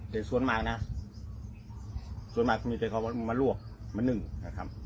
แต่สวนมากนะสวนมากก็มีแต่เขามาลวกมานึ่งนะครับ